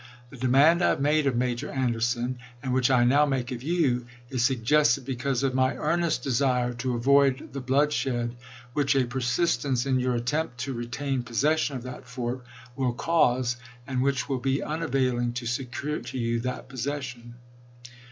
The demand I have made of Major Anderson, and which I now make of you, is suggested because of my earnest desire to avoid the bloodshed which a persistence in your attempt to retain pos session of that fort will cause and which will be unavailing to secure to you that possession."